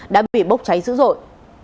đã bị bốc cháy dữ dội